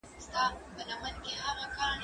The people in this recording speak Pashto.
زه ښوونځی ته نه ځم؟!